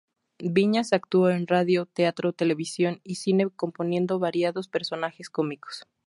Viñas actuó en radio, teatro, televisión y cine componiendo variados personajes cómicos.